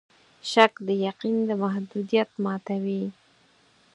شک د یقین د محدودیت ماتوي.